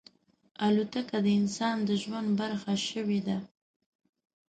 الوتکه د انسان د ژوند برخه شوې ده.